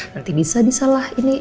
nanti bisa disalah ini